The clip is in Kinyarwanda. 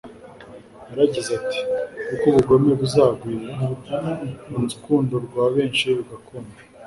yaragize ati : "Kuko ubugome buzagwira, unzkundo rwa benshi ruzakonja,